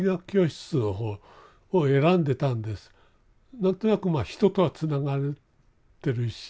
何となくまあ人とはつながってるし。